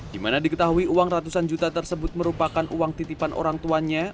di mana diketahui uang ratusan juta tersebut merupakan uang titipan orang tuanya